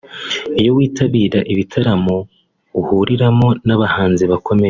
Iyo witabira ibitaramo uhuriramo n’abahanzi bakomeye